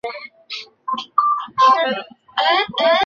托旺达镇区为位在美国堪萨斯州巴特勒县的镇区。